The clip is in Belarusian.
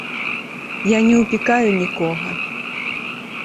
Я не ўпікаю нікога.